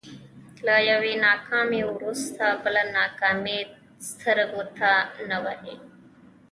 له يوې ناکامي وروسته بله کاميابي سترګکونه وهي.